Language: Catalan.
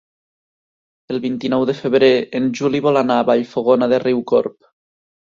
El vint-i-nou de febrer en Juli vol anar a Vallfogona de Riucorb.